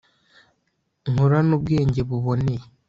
nkurane ubwenge buboneye